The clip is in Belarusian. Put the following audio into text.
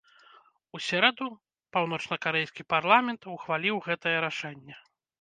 У сераду, паўночнакарэйскі парламент ухваліў гэтае рашэнне.